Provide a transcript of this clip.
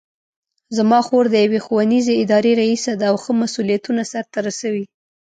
زما خور د یوې ښوونیزې ادارې ریسه ده او ښه مسؤلیتونه سرته رسوي